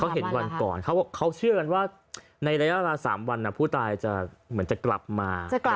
เห็นวันก่อนเขาเชื่อกันว่าในระยะเวลา๓วันผู้ตายจะเหมือนจะกลับมา